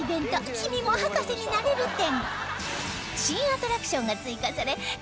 「君も博士になれる展」！